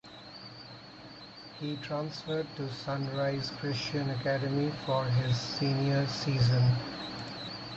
He transferred to Sunrise Christian Academy for his senior season.